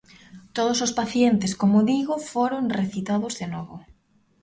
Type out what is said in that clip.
Todos os pacientes, como digo, foron recitados de novo.